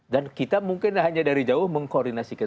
dan kita mungkin hanya dari jauh mengkoordinasikan